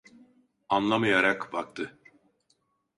Anlamayarak baktı.